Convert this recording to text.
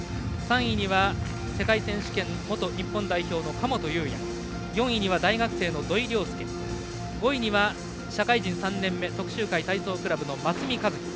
３位には世界選手権元日本代表の神本雄也４位には大学生の土井陵輔５位には社会人３年目徳洲会体操クラブの松見一希。